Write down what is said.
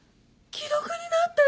既読になってる。